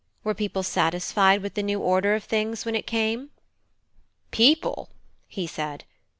Were people satisfied with the new order of things when it came?" "People?" he said.